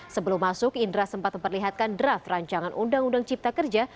sebelum masuk indra sempat memperlihatkan draft rancangan undang undang cipta kerja